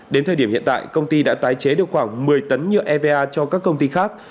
đến thời điểm hiện tại công ty đã tái chế được khoảng một mươi tấn nhựa eva cho các công ty khác